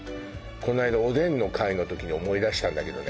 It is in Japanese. この間おでんの回の時に思い出したんだけどね